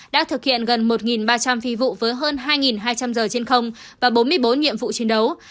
đã thực hiện gần một ba trăm linh phi vụ với hơn hai hai trăm linh giờ trên không và bốn mươi bốn nhiệm vụ chiến đấu